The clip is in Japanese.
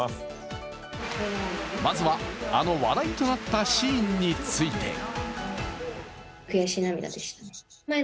まずは、あの話題となったシーンについて。